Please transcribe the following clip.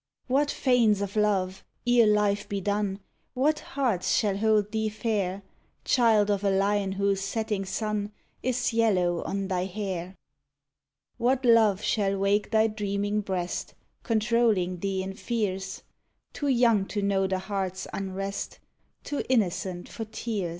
What fanes of love ere life be done What hearts shall hold thee fair, Child of a line whose setting sun Is yellow on thy hair? What love shall wake thy dreaming breast, Controlling thee in fears? Too young to know the heart's unrest, Too innocent for tears!